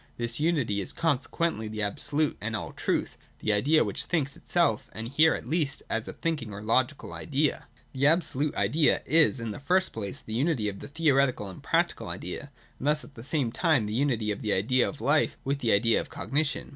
This unity is consequently the absolute and all truth, the Idea which thinks itself, — and here at least as a thinking or Logical Idea. The Absolute Idea is, in the first place, the unity of the theoretical and practical idea, and thus at the same time the unity of the idea of life with the idea of cognition.